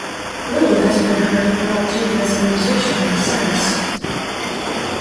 Little has been heard of Rob Dean as a musician since.